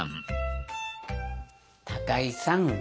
高井さん